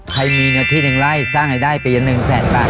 ใครมีเนื้อที่หนึ่งไร้สร้างให้ได้ปีหนึ่งแสนบาท